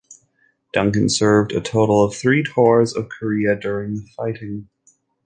"Duncan" served a total of three tours off Korea during the fighting.